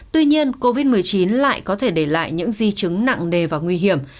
tuy nhiên covid một mươi chín lại có thể để lại những di chứng nặng nề và nguy hiểm